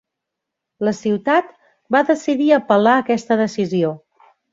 La ciutat va decidir apel·lar aquesta decisió.